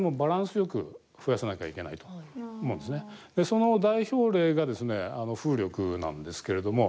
その代表例がですね風力なんですけれども。